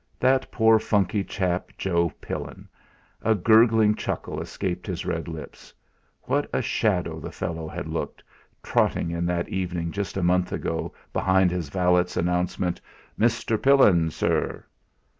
That poor funkey chap Joe Pillin! A gurgling chuckle escaped his red lips. What a shadow the fellow had looked, trotting in that evening just a month ago, behind his valet's announcement: "Mr. Pillin, sir."